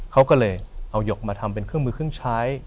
เขาก็เลยเอาหยกมาทำเป็นเครื่องมือเครื่องใช้